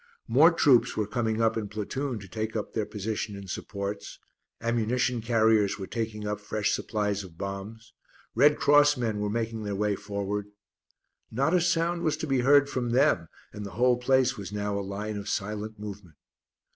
More troops were coming up in platoon to take up their position in supports, ammunition carriers were taking up fresh supplies of bombs, Red Cross men were making their way forward not a sound was to be heard from them and the whole place was now a line of silent movement.